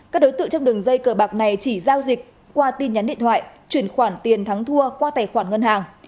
các đối tượng trong đường dây cờ bạc này chỉ giao dịch qua tin nhắn điện thoại chuyển khoản tiền thắng thua qua tài khoản ngân hàng